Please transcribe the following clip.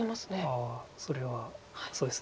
ああそれはそうですね。